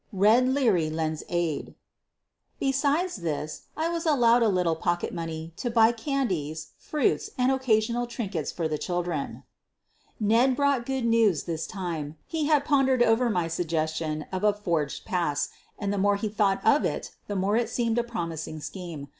"BED" liEABY LENDS AID Besides this I was allowed a little pocket money to buy candies, fruit, and occasional trinkets for the children. Ned brought good news this time. He had pon dered over my suggestion of a forged pass and the more he thought of it the more it seemed a prom ising scheme.